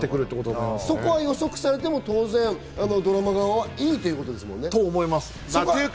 そこは予測されても当然、ドラマ側はいいということですよね？と思います。